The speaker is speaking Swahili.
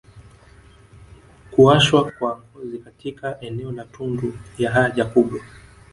kuwashwa kwa ngozi katika eneo la tundu ya haja kubwa